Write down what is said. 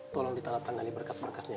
tolong ditanam tangan di berkas berkasnya ya